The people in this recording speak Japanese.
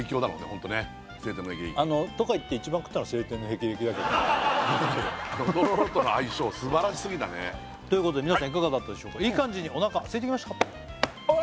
ホントね青天の霹靂とか言って一番食ったの青天の霹靂だけどあのとろろとの相性素晴らしすぎたねということで皆さんいかがだったでしょうかいい感じに